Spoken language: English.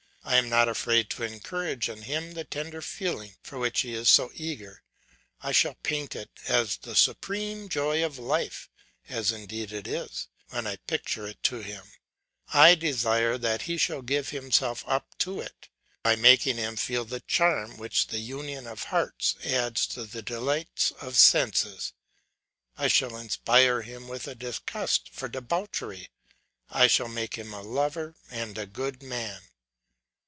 I am not afraid to encourage in him the tender feeling for which he is so eager, I shall paint it as the supreme joy of life, as indeed it is; when I picture it to him, I desire that he shall give himself up to it; by making him feel the charm which the union of hearts adds to the delights of sense, I shall inspire him with a disgust for debauchery; I shall make him a lover and a good man.